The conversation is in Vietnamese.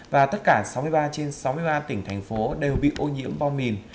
và tất cả sáu mươi ba trên sáu mươi ba tỉnh thành phố đều bị ô nhiễm bom mìn